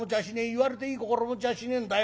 言われていい心持ちはしねえんだよ。